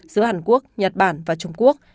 giữa hàn quốc nhật bản và trung quốc